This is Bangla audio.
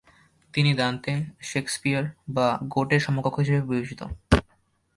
তিনি দান্তে, শেকসপিয়ার বা গ্যোটের সমকক্ষ হিসেবে বিবেচিত।